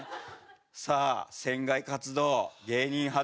さあ船外活動芸人初です。